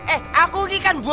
eh aku ini kan bosmu